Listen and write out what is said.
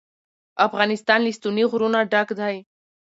افغانستان له ستوني غرونه ډک دی.